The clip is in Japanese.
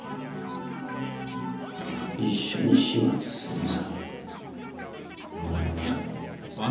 一緒に始末するさ。